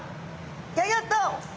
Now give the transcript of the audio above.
ギョギョッと！